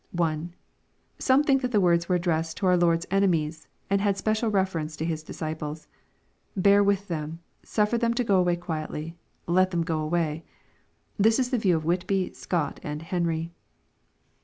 1. Some think that the words were addressed to our Lord's enemies, and had special reference to His disciples. " Bear with them. Suffer them to go away quietly. Let them go away." This is the view of Whitby, Scott, and Henry.